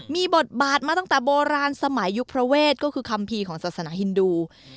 มีบทบาทมาตั้งแต่โบราณสมัยยุคพระเวทก็คือคัมภีร์ของศาสนาฮินดู